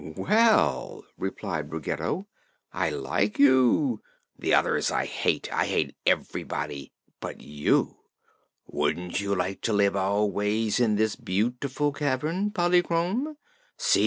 "Well," replied Ruggedo, "I like you. The others I hate. I hate everybody but you! Wouldn't you like to live always in this beautiful cavern, Polychrome? See!